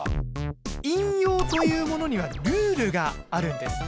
引用というものにはルールがあるんです。